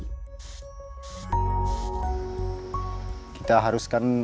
rationalisasi bersama ulang tahun itu